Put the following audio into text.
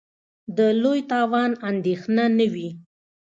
د لوی تاوان اندېښنه نه وي.